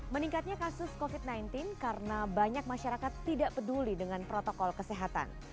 meningkatnya kasus covid sembilan belas karena banyak masyarakat tidak peduli dengan protokol kesehatan